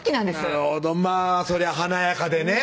なるほどそりゃ華やかでね